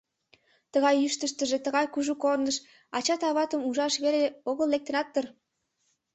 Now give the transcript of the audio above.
— Тыгай йӱштыштӧ тыгай кужу корныш ачат-аватым ужаш веле огыл лектынат дыр?